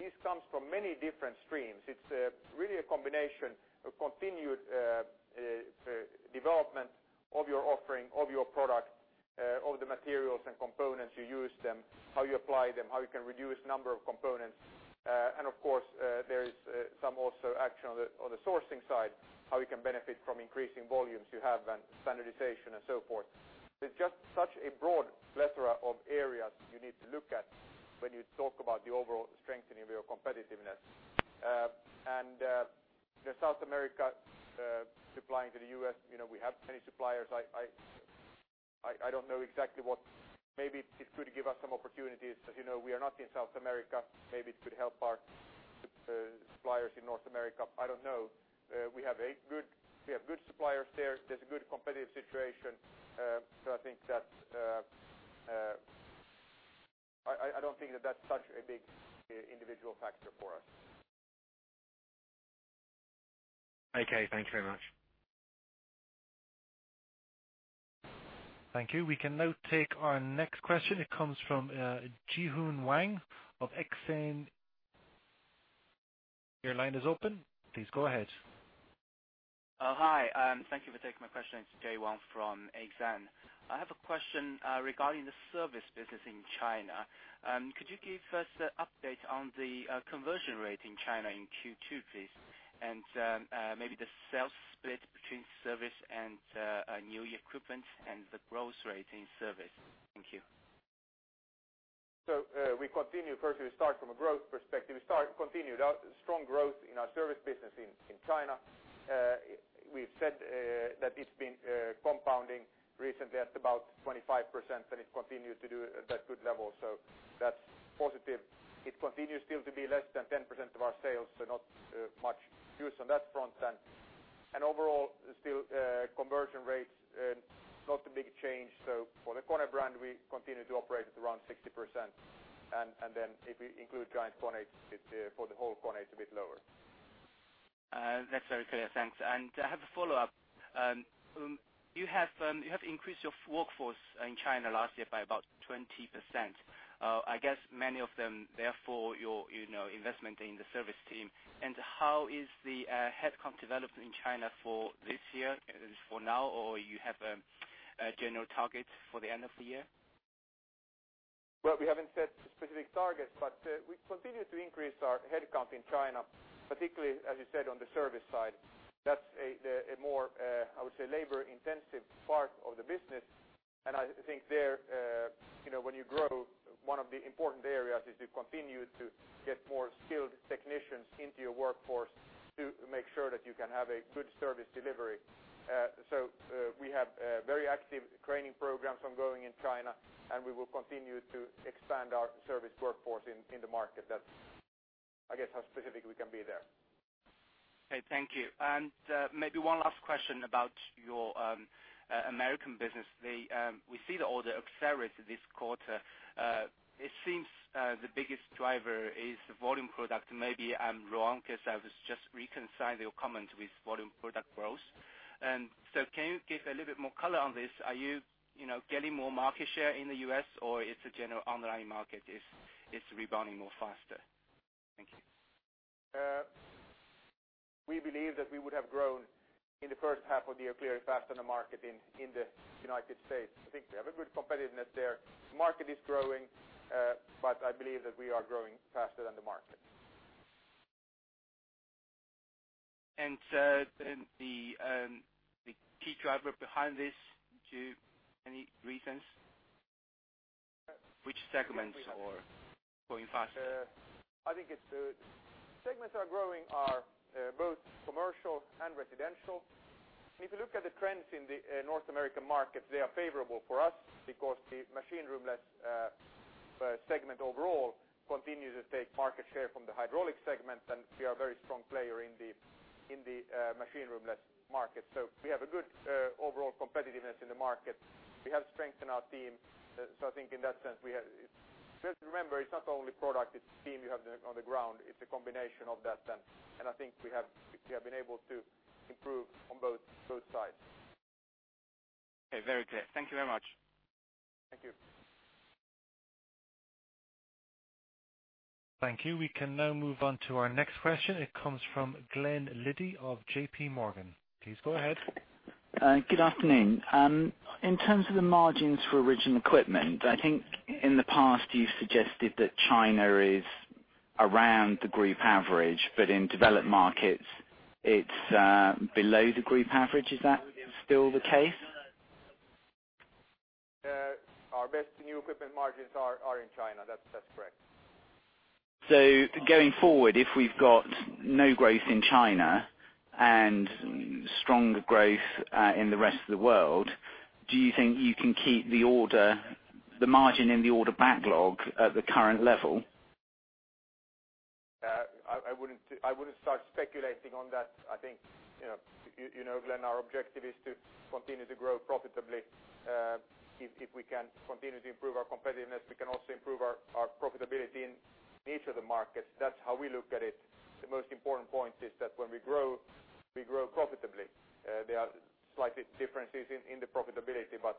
This comes from many different streams. It's really a combination of continued development of your offering, of your product, of the materials and components you use them, how you apply them, how you can reduce number of components. Of course, there is some also action on the sourcing side, how you can benefit from increasing volumes you have and standardization and so forth. There's just such a broad plethora of areas you need to look at when you talk about the overall strengthening of your competitiveness. South America supplying to the U.S., we have many suppliers. I don't know exactly what. Maybe it could give us some opportunities. As you know, we are not in South America. Maybe it could help our suppliers in North America. I don't know. We have good suppliers there. There's a good competitive situation. I don't think that that's such a big individual factor for us. Okay, thanks very much. Thank you. We can now take our next question. It comes from Jinhong Wang of Exane. Your line is open. Please go ahead. Hi, thank you for taking my question. It's Jay Wang from Exane. I have a question regarding the service business. China. Could you give us an update on the conversion rate in China in Q2, please? Maybe the sales split between service and new equipment and the growth rate in service. Thank you. We continue. First, we start from a growth perspective. We continued strong growth in our service business in China. We've said that it's been compounding recently at about 25%, and it continues to do at that good level. That's positive. It continues still to be less than 10% of our sales, not much use on that front then. Overall, still conversion rates, not a big change. For the KONE brand, we continue to operate at around 60%. Then if we include Giant KONE, for the whole KONE, it's a bit lower. That's very clear. Thanks. I have a follow-up. You have increased your workforce in China last year by about 20%. I guess, many of them, therefore, your investment in the service team. How is the headcount development in China for this year, for now, or you have a general target for the end of the year? Well, we haven't set specific targets, but we continue to increase our headcount in China, particularly, as you said, on the service side. That's a more, I would say, labor-intensive part of the business. I think there, when you grow, one of the important areas is to continue to get more skilled technicians into your workforce to make sure that you can have a good service delivery. We have very active training programs ongoing in China, and we will continue to expand our service workforce in the market. That's, I guess, how specific we can be there. Okay, thank you. Maybe one last question about your American business. We see the order of series this quarter. It seems the biggest driver is volume product. Maybe I'm wrong because I was just reconciling your comment with volume product growth. Can you give a little bit more color on this? Are you getting more market share in the U.S. or it's the general overall market is rebounding more faster? Thank you. We believe that we would have grown in the first half of the year clearly faster than the market in the United States. I think we have a good competitiveness there. Market is growing, I believe that we are growing faster than the market. The key driver behind this, any reasons? Which segments are growing faster? I think it's the segments are growing are both commercial and residential. If you look at the trends in the North American market, they are favorable for us because the Machine-Room-Less segment overall continues to take market share from the hydraulic segment, and we are a very strong player in the Machine-Room-Less market. We have a good overall competitiveness in the market. We have strength in our team. I think in that sense, Just remember, it's not only product, it's team you have on the ground. It's a combination of that then. I think we have been able to improve on both sides. Okay. Very clear. Thank you very much. Thank you. Thank you. We can now move on to our next question. It comes from Glen Liddy of JPMorgan. Please go ahead. Good afternoon. In terms of the margins for original equipment, I think in the past you've suggested that China is around the group average, but in developed markets, it's below the group average. Is that still the case? Our best new equipment margins are in China. That's correct. Going forward, if we've got no growth in China and stronger growth in the rest of the world, do you think you can keep the margin in the order backlog at the current level? I wouldn't start speculating on that. I think, you know, Glen, our objective is to continue to grow profitably. If we can continue to improve our competitiveness, we can also improve our profitability in each of the markets. That's how we look at it. The most important point is that when we grow, we grow profitably. There are slight differences in the profitability, but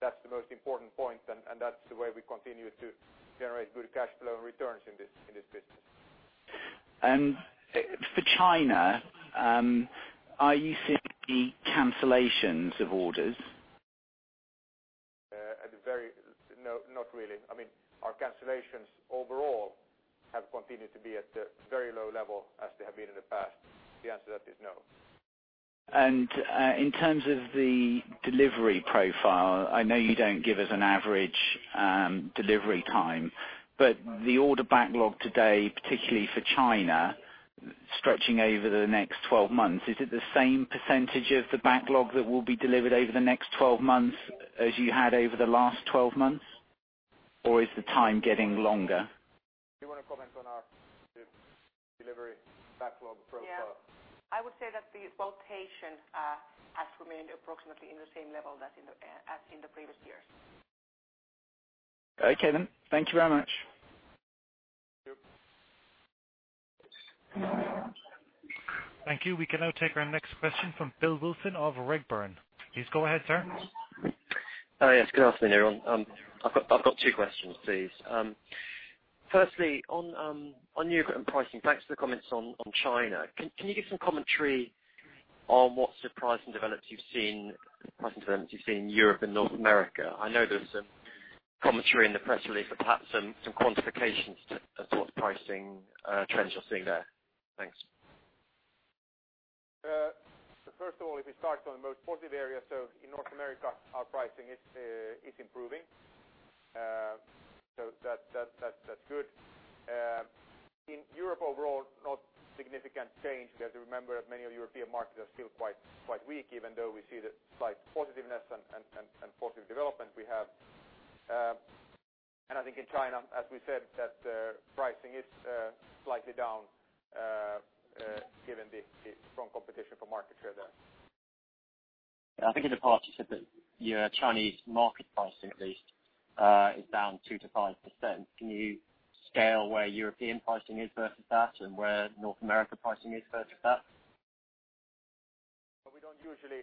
that's the most important point, and that's the way we continue to generate good cash flow and returns in this business. For China, are you seeing any cancellations of orders? No, not really. I mean, our cancellations overall have continued to be at a very low level as they have been in the past. The answer to that is no. In terms of the delivery profile, I know you don't give us an average delivery time, but the order backlog today, particularly for China, stretching over the next 12 months, is it the same percentage of the backlog that will be delivered over the next 12 months as you had over the last 12 months? Or is the time getting longer? You want to comment on our delivery backlog profile? I would say that the quotation has remained approximately in the same level as in the previous years. Okay. Thank you very much. Thank you. Thank you. We can now take our next question from Ben Wilson of Redburn. Please go ahead, sir. Yes, good afternoon, everyone. I've got two questions, please. Firstly, on new equipment pricing, thanks for the comments on China. Can you give some commentary on what pricing developments you've seen in Europe and North America? I know there's some commentary in the press release, perhaps some quantification as to what pricing trends you're seeing there. Thanks. First of all, if we start on the most positive area, in North America, our pricing is improving. That's good. In Europe overall, not significant change. You have to remember that many European markets are still quite weak, even though we see the slight positiveness and positive development we have. I think in China, as we said, that pricing is slightly down, given the strong competition for market share there. I think in the past you said that your Chinese market pricing at least is down 2%-5%. Can you scale where European pricing is versus that, and where North American pricing is versus that? We don't usually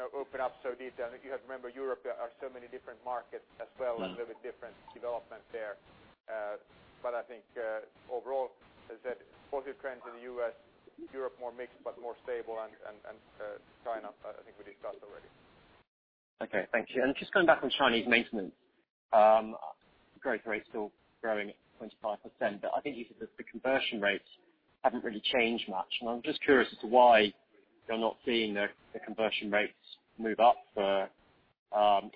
open up so detailed. You have to remember, Europe are so many different markets as well and a little bit different development there. I think overall, as I said, positive trends in the U.S., Europe more mixed but more stable, and China, I think we discussed already. Okay. Thank you. Just going back on Chinese maintenance. Growth rate still growing at 25%, but I think you said that the conversion rates haven't really changed much, and I'm just curious as to why you're not seeing the conversion rates move up for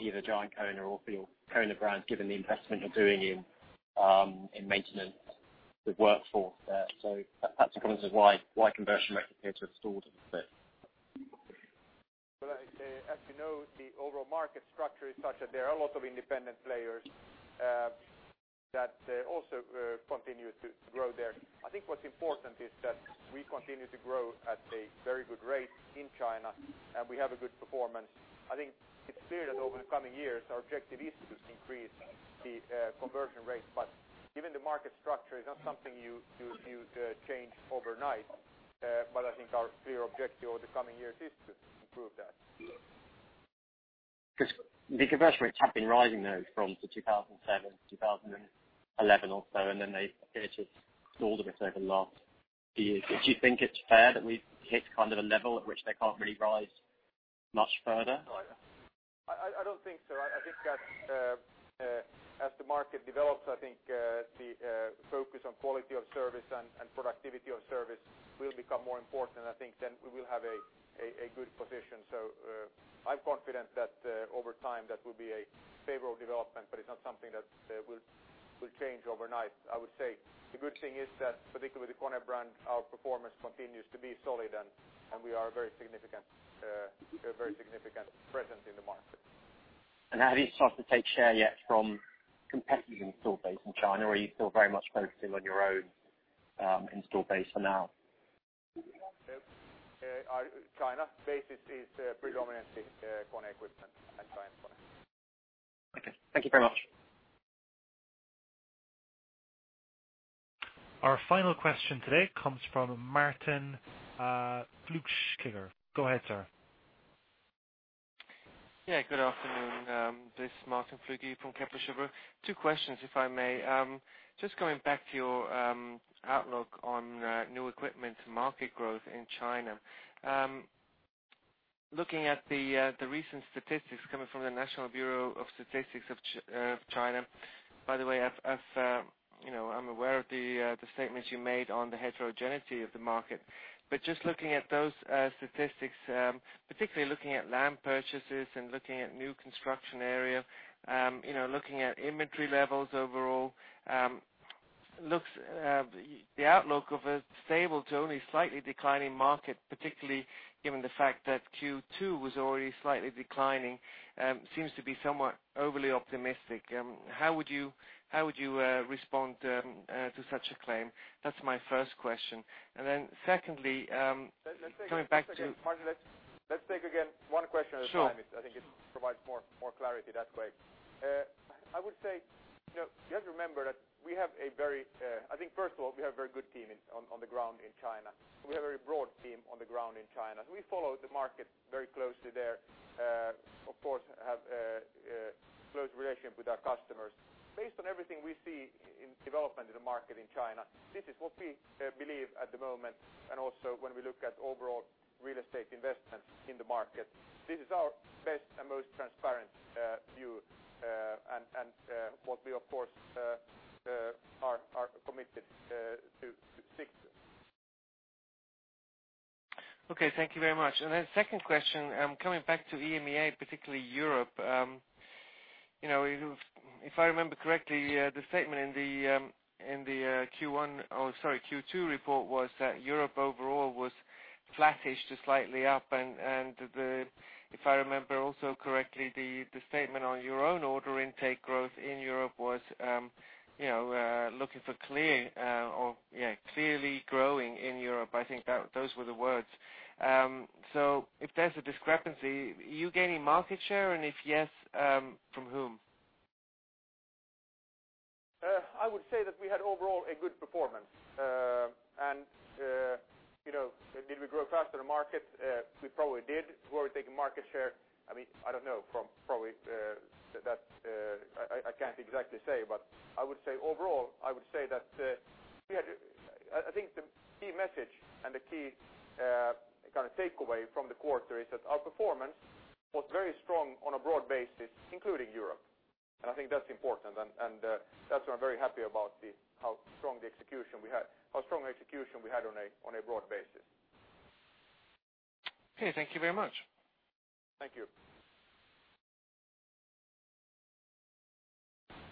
either Giant KONE or for your KONE brand, given the investment you're doing in maintenance, the workforce there. Perhaps a comment as to why conversion rates appear to have stalled a little bit. Well, as you know, the overall market structure is such that there are a lot of independent players that also continue to grow there. I think what's important is that we continue to grow at a very good rate in China, and we have a good performance. I think it's clear that over the coming years, our objective is to increase the conversion rates. Given the market structure, it's not something you'd change overnight. I think our clear objective over the coming years is to improve that. Because the conversion rates have been rising, though, from 2007 to 2011 or so, and then they appear to have stalled a bit over the last few years. Do you think it's fair that we've hit kind of a level at which they can't really rise much further? I don't think so. I think that as the market develops, I think the focus on quality of service and productivity of service will become more important, and I think then we will have a good position. I'm confident that over time, that will be a favorable development, but it's not something that will change overnight. I would say the good thing is that particularly with the KONE brand, our performance continues to be solid, and we are a very significant presence in the market. Have you started to take share yet from competitors' install base in China, or are you still very much focusing on your own install base for now? China. Base is predominantly KONE equipment and Giant KONE. Okay. Thank you very much. Our final question today comes from Martin Fluegelschlaeger. Go ahead, sir. Good afternoon. This is Martin Fluegelschlaeger from Kepler Cheuvreux. Two questions, if I may. Just going back to your outlook on new equipment market growth in China. Looking at the recent statistics coming from the National Bureau of Statistics of China. By the way, I'm aware of the statements you made on the heterogeneity of the market. Just looking at those statistics, particularly looking at land purchases and looking at new construction area, looking at inventory levels overall, the outlook of a stable to only slightly declining market, particularly given the fact that Q2 was already slightly declining, seems to be somewhat overly optimistic. How would you respond to such a claim? That's my first question. Secondly, coming back to- Martin, let's take again one question at a time. Sure. I think it provides more clarity that way. I would say, you have to remember that I think first of all, we have a very good team on the ground in China. We have a very broad team on the ground in China, we follow the market very closely there. Of course, have a close relationship with our customers. Based on everything we see in development in the market in China, this is what we believe at the moment, and also when we look at overall real estate investment in the market. This is our best and most transparent view, and what we of course are committed to stick to. Okay. Thank you very much. Second question, coming back to EMEA, particularly Europe. If I remember correctly, the statement in the Q1, or sorry, Q2 report was that Europe overall was flattish to slightly up. If I remember also correctly, the statement on your own order intake growth in Europe was looking for clearly growing in Europe. I think those were the words. If there's a discrepancy, are you gaining market share? And if yes, from whom? I would say that we had overall a good performance. Did we grow faster than markets? We probably did. Were we taking market share? I don't know. I can't exactly say, but I would say overall, I would say that I think the key message and the key takeaway from the quarter is that our performance was very strong on a broad basis, including Europe. I think that's important, and that's why I'm very happy about how strong the execution we had on a broad basis. Okay. Thank you very much. Thank you.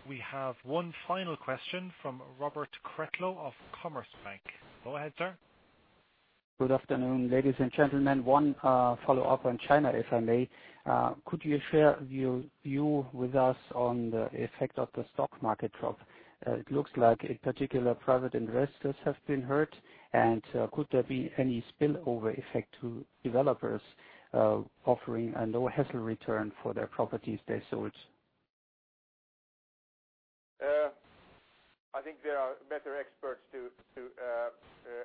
We have one final question from Robert Wertheimer of Commerzbank. Go ahead, sir. Good afternoon, ladies and gentlemen. One follow-up on China, if I may. Could you share your view with us on the effect of the stock market drop? It looks like in particular private investors have been hurt, and could there be any spillover effect to developers offering a low hassle return for their properties they sold? I think there are better experts to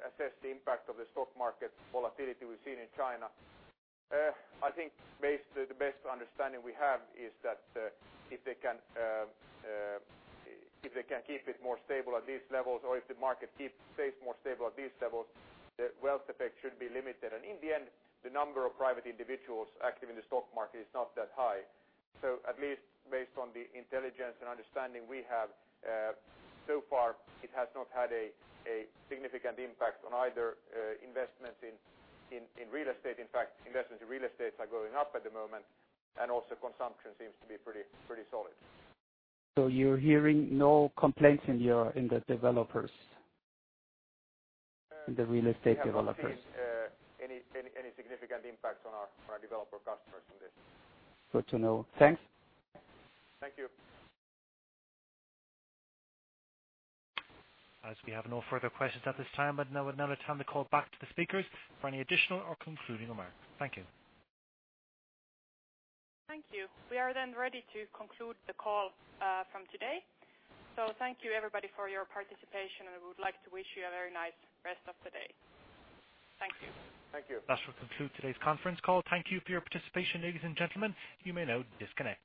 assess the impact of the stock market volatility we've seen in China. I think the best understanding we have is that if they can keep it more stable at these levels, or if the market stays more stable at these levels, the wealth effect should be limited. In the end, the number of private individuals active in the stock market is not that high. At least based on the intelligence and understanding we have so far, it has not had a significant impact on either investments in real estate. In fact, investments in real estate are going up at the moment, and also consumption seems to be pretty solid. You're hearing no complaints in the developers, in the real estate developers. We have not seen any significant impact on our developer customers from this. Good to know. Thanks. Thank you. As we have no further questions at this time, I'd now return the call back to the speakers for any additional or concluding remarks. Thank you. Thank you. We are ready to conclude the call from today. Thank you everybody for your participation, We would like to wish you a very nice rest of the day. Thank you. Thank you. That shall conclude today's conference call. Thank you for your participation, ladies and gentlemen. You may now disconnect.